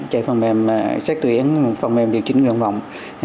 chạy phần mềm sách tuyển phần mềm điều chỉnh ngưỡng vọng